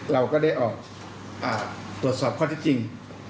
เราก็ได้ออกตรวจสอบข้อที่จริง